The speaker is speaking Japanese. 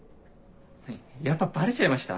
やっぱバレちゃいました？